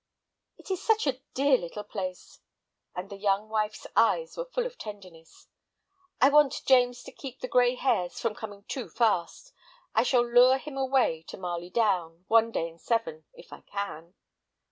"It is such a dear little place." And the young wife's eyes were full of tenderness. "I want James to keep the gray hairs from coming too fast. I shall lure him away to Marley Down, one day in seven, if I can."